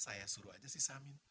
saya suruh aja si samin